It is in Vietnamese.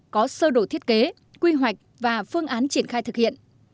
có sơ đổi thiết kế quy hoạch và phương án triển khai thực hiện